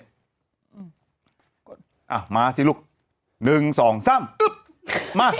อ้าวมาสิลุก๑๒๓มา